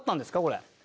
これ。